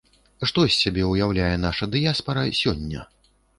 Што з сябе ўяўляе наша дыяспара сёння?